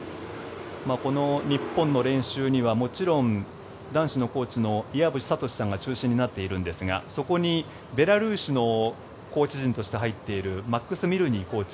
この日本の練習にはもちろん男子のコーチの岩渕聡さんが中心になっているんですがそこにベラルーシのコーチ陣として入っているマックス・ミルヌイコーチ。